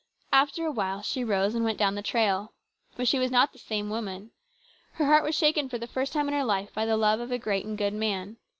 After a while she rose and went down the trail. But she was not the same woman. Her heart was shaken for the first time in her life by the love of a great and good man.